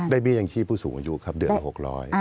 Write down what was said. เบี้ยยังชีพผู้สูงอายุครับเดือนละ๖๐๐บาท